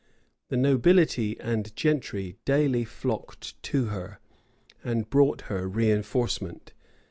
The nobility and gentry daily flocked to her, and brought her reënforcement.